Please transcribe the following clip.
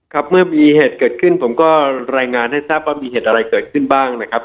ครับเมื่อมีเหตุเกิดขึ้นผมก็รายงานให้ทราบว่ามีเหตุอะไรเกิดขึ้นบ้างนะครับ